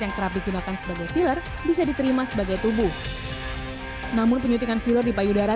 yang kerap digunakan sebagai filler bisa diterima sebagai tubuh namun penyuntikan filler di payudara